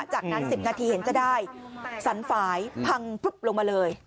จากนั้น๑๐นาทีเห็นจะได้สันฝ่ายพังพลึบลงมาเลย